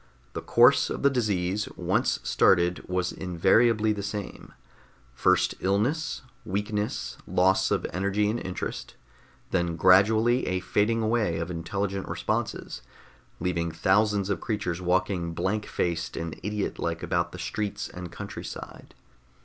The course of the disease, once started, was invariably the same: first illness, weakness, loss of energy and interest, then gradually a fading away of intelligent responses, leaving thousands of creatures walking blank faced and idiot like about the streets and countryside.